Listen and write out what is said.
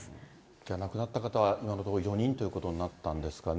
じゃあ、亡くなった方は今のところ４人ということになったんですかね。